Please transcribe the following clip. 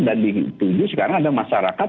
dan dituju sekarang ada masyarakat